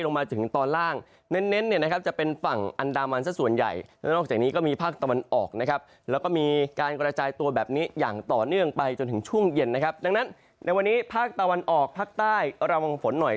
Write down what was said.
ดังนั้นในวันนี้ภาคตะวันออกภาคใต้ระวังฝนหน่อย